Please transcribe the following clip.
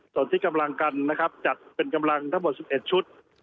ส่วนที่กำลังกันนะครับจัดเป็นกำลังทั้งหมด๑๑ชุด